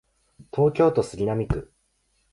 東京都杉並区